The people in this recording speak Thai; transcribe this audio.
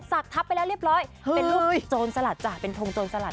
ทับไปแล้วเรียบร้อยเป็นรูปโจรสลัดจ้ะเป็นทงโจรสลัด